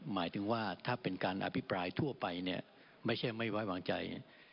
หมายถึงว่าถ้าเป็นการอภิปรายทั่วไปเนี่ยไม่ใช่ไม่ไว้วางใจ